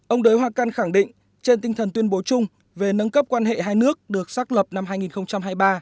ông đới hoa căn khẳng định trên tinh thần tuyên bố chung về nâng cấp quan hệ hai nước được xác lập năm hai nghìn hai mươi ba